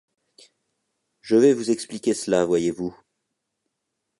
Je vais vous expliquer cela, voyez-vous.